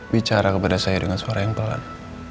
bicara kepada saya dengan suara yang pelat